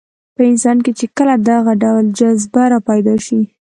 په انسان کې چې کله دغه ډول جذبه راپیدا شي.